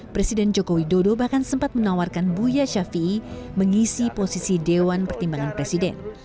pemerintah jokowi dodo bahkan sempat menawarkan buya shafi'i mengisi posisi dewan pertimbangan presiden